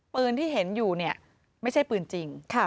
ปืนที่เห็นอยู่เนี่ยไม่ใช่ปืนจริง